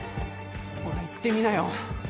ほら言ってみなよ。